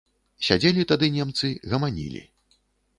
Сядзелі тады немцы, гаманілі.